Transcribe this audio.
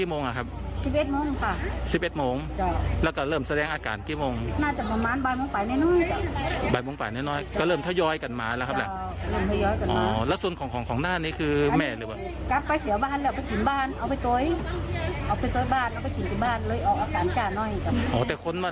โอ้โหสองร้อยกว่าคนน่ะมากันเยอะนะคะ